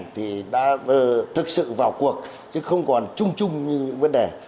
thì đã thực sự vào cuộc chứ không còn chung chung như những vấn đề